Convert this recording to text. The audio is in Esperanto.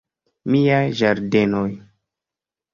Miaj ĝardenoj!